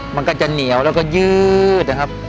มันก็จะเหนียวแล้วก็ยืดนะครับ